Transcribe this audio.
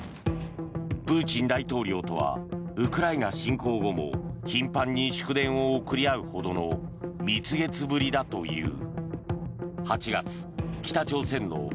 プーチン大統領とはウクライナ侵攻後も頻繁に祝電を送り合うほどの蜜月ぶりだという。